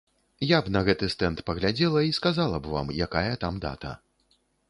Я б на гэты стэнд паглядзела, і сказала б вам, якая там дата.